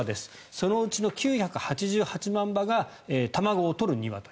そのうちの９８８万羽が卵を取るニワトリ。